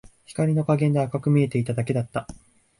光の加減で赤く見えていただけだった